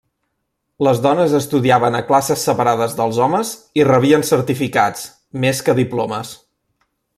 Les dones estudiaven a classes separades dels homes i rebien certificats, més que diplomes.